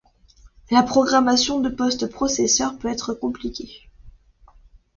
La programmation de post-processeurs peut être compliquée.